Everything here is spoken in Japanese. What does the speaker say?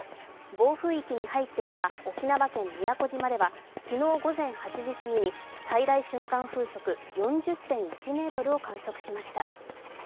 暴風域に入っていた沖縄県宮古島では昨日午前８時過ぎに最大瞬間風速４０．１メートルを観測しました。